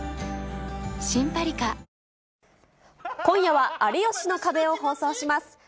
今夜は有吉の壁を放送します。